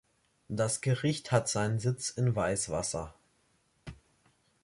Das Gericht hat seinen Sitz in Weißwasser.